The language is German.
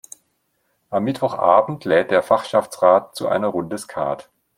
Am Mittwochabend lädt der Fachschaftsrat zu einer Runde Skat.